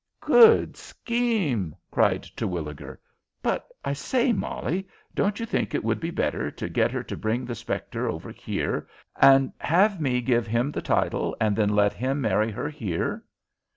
"Good scheme!" cried Terwilliger. "But I say, Molly, don't you think it would be better to get her to bring the spectre over here, and have me give him the title, and then let him marry her here?"